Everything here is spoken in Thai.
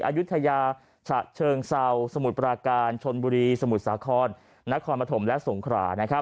อายุทยาฉะเชิงเซาสมุทรปราการชนบุรีสมุทรสาครนครปฐมและสงขรา